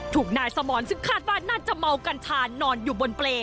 ถูกนายสมรซึ่งคาดว่าน่าจะเมากันทานนอนอยู่บนเปรย์